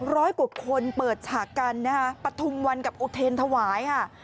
ร้อยกว่าคนเปิดฉากกันนะคะปฐุมวันกับอุเทนถวายค่ะ